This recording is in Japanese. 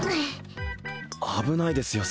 危ないですよ